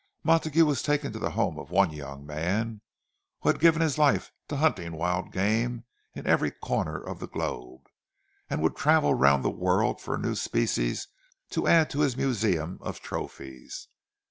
Montague was taken to the home of one young man who had given his life to hunting wild game in every corner of the globe, and would travel round the world for a new species to add to his museum of trophies.